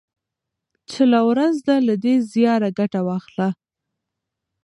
چي لا ورځ ده له دې زياره ګټه واخله